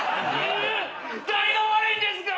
誰が悪いんですか！？